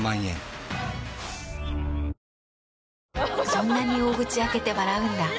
そんなに大口開けて笑うんだ。